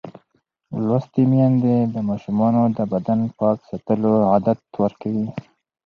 لوستې میندې د ماشومانو د بدن پاک ساتلو عادت ورکوي.